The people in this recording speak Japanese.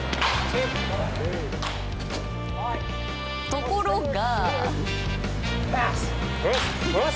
ところが。